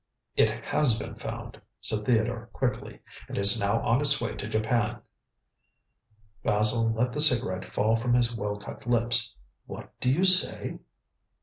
"It has been found," said Theodore quickly, "and is now on its way to Japan." Basil let the cigarette fall from his well cut lips. "What do you say?"